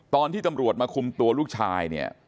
ตอนที่ตำรวจมาคุมตัวลูกชายเนี่ย